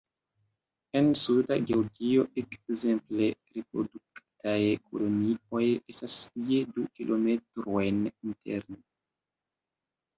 En Suda Georgio, ekzemple, reproduktaj kolonioj estas je du kilometrojn interne.